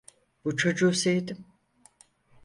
Bu çocuğu sevdim.